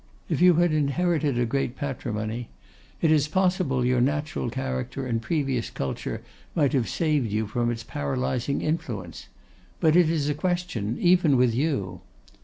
If you had inherited a great patrimony, it is possible your natural character and previous culture might have saved you from its paralysing influence; but it is a question, even with you.